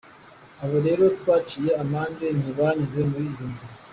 Abo rero twaciye amande ntibanyuze muri izo nzira.